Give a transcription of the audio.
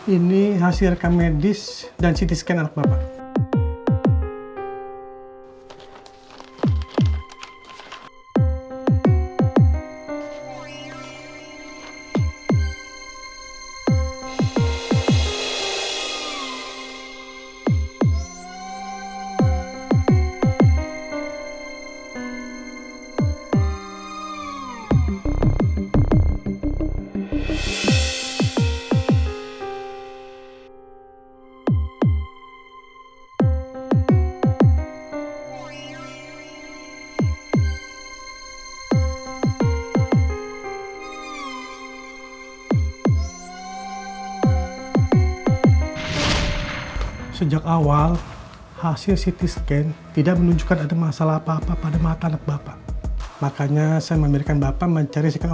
ini hasil rekam medis dan ct scan anak bapak